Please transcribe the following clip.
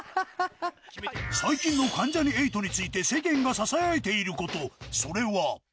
最近の関ジャニ∞について、世間がささやいていること、それは。